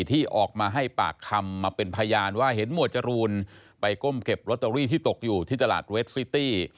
ที่ออกมาให้ปากคำมาเป็นพยานว่าเห็นหมวดจรูนไปก้มเก็บลอตเตอรี่ที่ตกอยู่ที่ตลาดเวสซิตี้